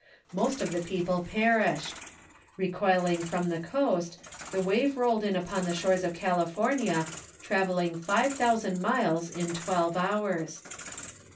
Most of the people perished. Recoiling from the coast, the wave rolled in upon the shores of California, travelling 5,000 miles in twelve hours.